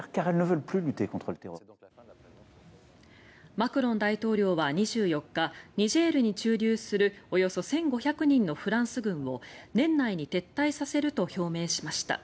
マクロン大統領は２４日ニジェールに駐留するおよそ１５００人のフランス軍を年内に撤退させると表明しました。